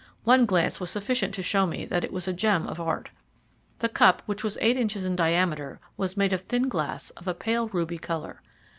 One glance was sufficient to show me that it was a gem of art. The cup, which was 8 in. in diameter, was made of thin glass of a pale ruby colour.